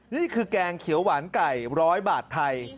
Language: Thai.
แกงเขียวหวานไก่๑๐๐บาทไทย